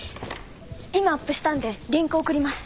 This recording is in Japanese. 今アップしたんでリンク送ります。